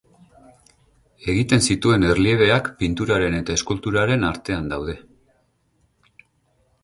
Egiten zituen erliebeak pinturaren eta eskulturaren artean daude.